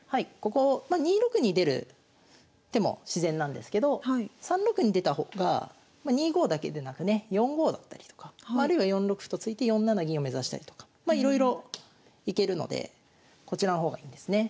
ここ２六に出る手も自然なんですけど３六に出た方がま２五だけでなくね４五だったりとかあるいは４六歩と突いて４七銀を目指したりとかまいろいろ行けるのでこちらの方がいいんですね。